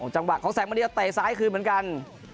จังหวะของแสงมณีเตะซ้ายคืนเหมือนกัน